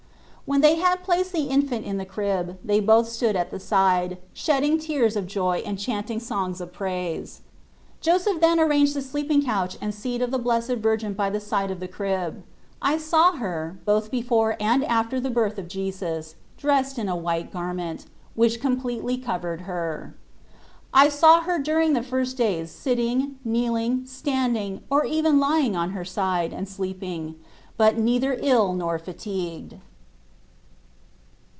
When they had placed the infant in the crib they both stood at the side, shedding tears of joy and chanting songs of praise. Joseph then arranged the sleeping couch and seat of the Blessed Virgin by the side of the crib. I saw her, both before and after the birth of Jesus, dressed in a white garment, which completely covered her. I saw her during the first days sitting, kneel ing, standing, or even lying on her side, and sleeping ; but neither ill nor fatigued.